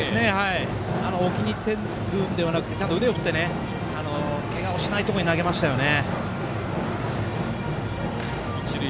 置きにいっているのではなくて、ちゃんと腕を振ってけがをしないところに投げましたね。